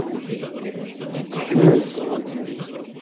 Tekmez.